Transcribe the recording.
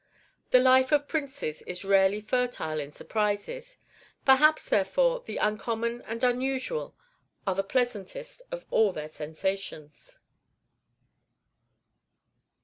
The life of princes is rarely fertile in surprises; perhaps, therefore, the uncommon and unusual are the pleasantest of all their sensations.